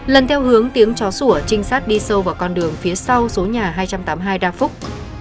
lần theo hướng tiếng chó sủa trinh sát đi sâu vào con đường phía sau số nhà hai trăm tám mươi hai đa phúc